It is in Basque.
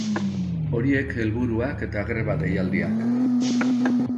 Horiek helburuak eta greba deialdiak.